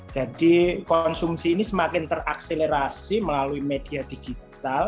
jadi konsumsi ini semakin terakselerasi melalui media digital